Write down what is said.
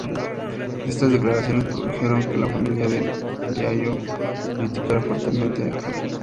Estas declaraciones produjeron que la familia de Diallo criticara fuertemente a Ferrer.